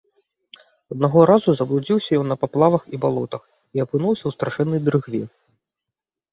Аднаго разу заблудзіўся ён на паплавах і балотах і апынуўся ў страшэннай дрыгве.